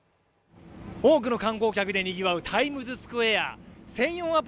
多くの観光客でにぎわうタイムズスクエア。